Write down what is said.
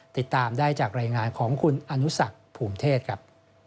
ติดตามได้จากรายงานของคุณอนุสักภูมิเทศครับ